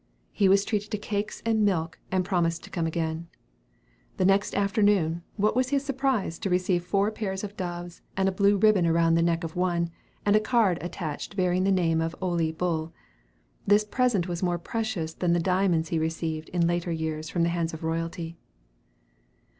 He was treated to cakes and milk, and promised to come again. The next afternoon, what was his surprise to receive four pairs of doves, with a blue ribbon around the neck of one, and a card attached bearing the name of "Ole Bull." This present was more precious than the diamonds he received in later years from the hands of royalty.